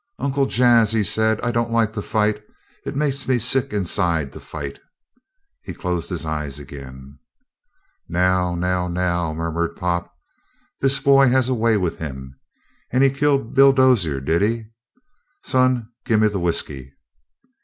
"Uncle Jas," he said, "I don't like to fight. It makes me sick inside, to fight." He closed his eyes again. "Now, now, now!" murmured Pop. "This boy has a way with him. And he killed Bill Dozier, did he? Son, gimme the whisky."